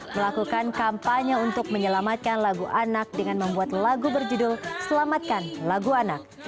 melakukan kampanye untuk menyelamatkan lagu anak dengan membuat lagu berjudul selamatkan lagu anak